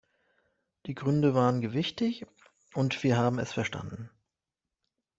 Die Gründe waren gewichtig, und wir haben es verstanden.